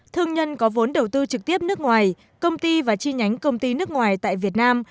thương nhân có vốn đầu tư trực tiếp nước ngoài công ty và chi nhánh công ty nước ngoài tại việt nam